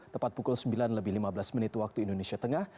tepat pukul sembilan lebih lima belas menit waktu indonesia tengah